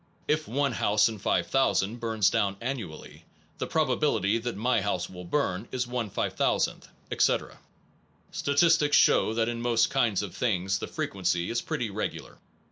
If one house in 5000 burns down annually, the probability that my house will burn is l 5000th, etc. Statistics show that in most kinds of thing the frequency is pretty regular.